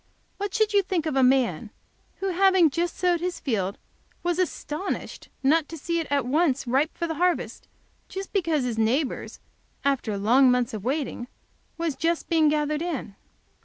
What should you think of a man who, having just sowed his field, was astonished not to see it at once ripe for the harvest, because his neighbor's, after long months of waiting, was just being gathered in?"